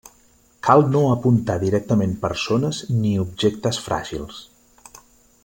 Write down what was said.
Cal no apuntar directament persones ni objectes fràgils.